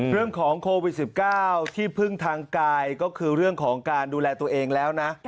เรื่องของโควิด๑๙ที่พึ่งทางกายก็คือเรื่องของการดูแลตัวเองแล้วนะ